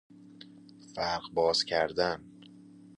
فرق باز کردن